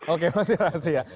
oke pasti rahasia